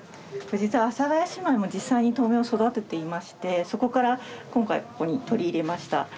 実は、阿佐ヶ谷姉妹も実際に豆苗を育てていましてそこから今回ここに取り入れました。